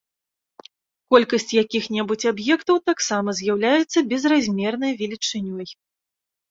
Колькасць якіх-небудзь аб'ектаў таксама з'яўляецца безразмернай велічынёй.